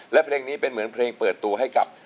และเพลงนี้เป็นเหมือนเพลงเปิดตัวให้กับ